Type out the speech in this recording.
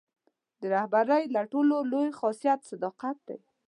د رهبرۍ تر ټولو لوی خاصیت صداقت دی.